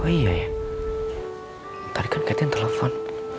oh iya ya tarikan ke atas telepon